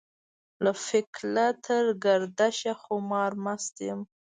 له فکله تر ګردشه خمار مست يم.